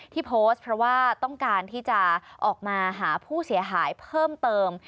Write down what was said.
ที่โพสต์เพราะว่าต้องการที่จะออกมาหาผู้เสียหายเพิ่มเติม